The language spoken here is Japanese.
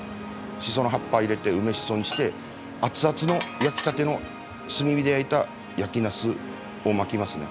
シソの葉っぱ入れて梅シソにして熱々の焼きたての炭火で焼いた焼き茄子を巻きますね。